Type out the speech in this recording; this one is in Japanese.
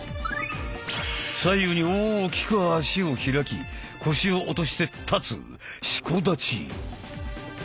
左右に大きく足を開き腰を落として立つ「四股立ち」。